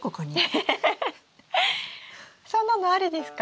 えそんなのありですか？